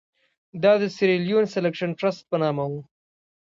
دا د سیریلیون سیلکشن ټرست په نامه وو.